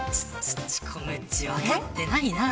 コムっち、分かってないな。